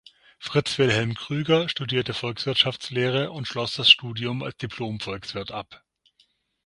Fritz-Wilhelm Krüger studierte Volkswirtschaftslehre und schloss das Studium als Diplom-Volkswirt ab.